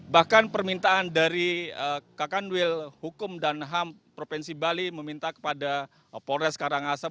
bahkan permintaan dari kakanwil hukum dan ham provinsi bali meminta kepada polres karangasem